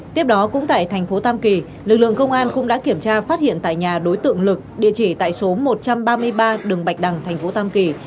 tiếp đó cũng tại thành phố tam kỳ lực lượng công an cũng đã kiểm tra phát hiện tại nhà đối tượng lực địa chỉ tại số một trăm ba mươi ba đường bạch đằng tp tam kỳ